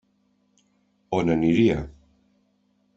On aniria?